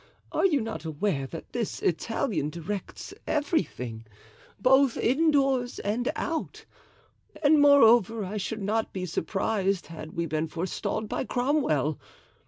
Are you not aware that this Italian directs everything, both indoors and out? And moreover, I should not be surprised had we been forestalled by Cromwell.